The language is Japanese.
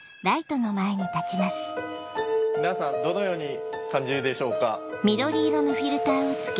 皆さんどのように感じるでしょうか？